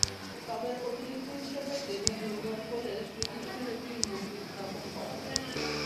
তবে অতিরিক্ত হিসেবে দেবী দুর্গার কোলে শ্রীকৃষ্ণের একটি মূর্তি স্থাপন করা হয়।